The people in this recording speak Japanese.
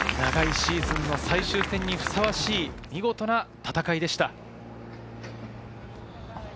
長いシーズンの最終戦にふさわしい見事な戦いでした。